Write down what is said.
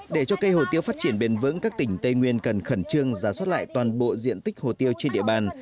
để cho cây hồ tiêu phát triển bền vững các tỉnh tây nguyên cần khẩn trương giả soát lại toàn bộ diện tích hồ tiêu trên địa bàn